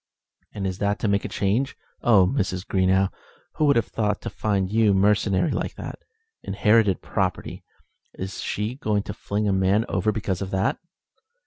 "And is that to make a change? Oh! Mrs. Greenow, who would have thought to find you mercenary like that? Inherited property! Is she going to fling a man over because of that?"